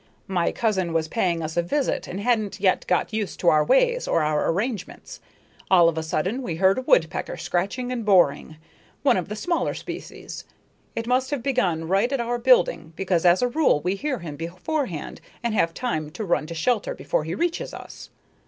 My cousin was paying us a visit and hadn't yet got used to our ways or our arrangements. All of a sudden we heard a woodpecker scratching and boring one of the smaller species. It must have begun right at our building because as a rule we hear him beforehand and have time to run to shelter before he reaches us.